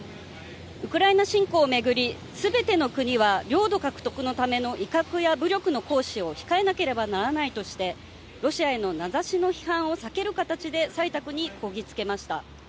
ウクライナ侵攻を巡り、全ての国は領土獲得のための威嚇や武力の行使を控えなければならないとして、ロシアへの名指しの批判を避ける形で採択にこぎつけました。